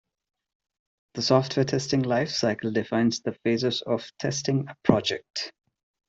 The software testing life cycle defines the phases of testing a project.